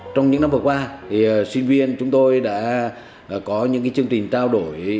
trong những năm vừa qua sinh viên chúng tôi đã có những chương trình trao đổi